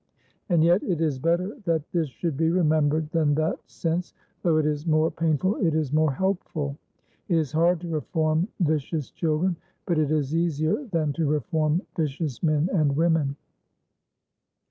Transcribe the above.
And yet it is better that this should be remembered than that, since, though it is more painful, it is more hopeful. It is hard to reform vicious children, but it is easier than to reform vicious men and women.